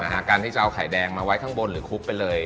หาการที่จะเอาไข่แดงมาไว้ข้างบนหรือคลุกไปเลย